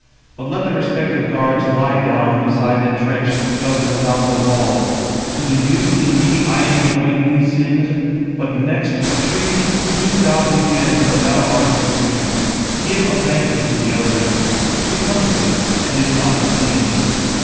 But let the respective guards lie down beside the trench, dug without the wall. To the youth, indeed, I enjoin these things; but next, Atrides, do thou begin, for thou art supreme. Give a banquet to the elders; it becomes thee, and is not unseemly.